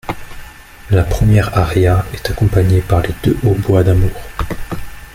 La première aria est accompagnée par les deux hautbois d'amour.